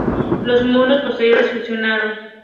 Los músculos posteriores fusionado.